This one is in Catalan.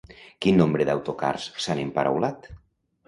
Quin nombre d'autocars s'han emparaulat?